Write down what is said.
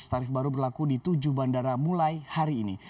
tarif baru berlaku di tujuh bandara mulai hari ini